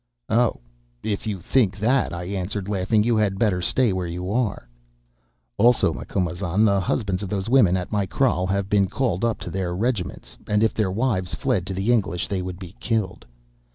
"'Oh! if you think that,' I answered, laughing, 'you had better stay where you are.' "'Also, Macumazahn, the husbands of those women at my kraal have been called up to their regiments and if their wives fled to the English they would be killed.